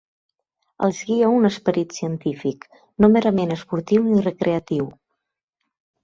Els guia un esperit científic, no merament esportiu ni recreatiu.